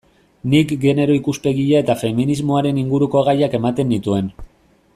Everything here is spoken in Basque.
Nik genero ikuspegia eta feminismoaren inguruko gaiak ematen nituen.